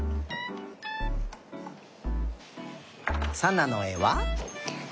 さなのえは。